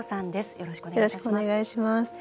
よろしくお願いします。